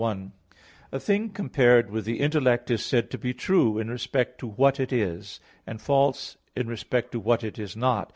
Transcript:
1: A thing compared with the intellect is said to be true in respect to what it is; and false in respect to what it is not.